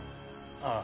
ああ。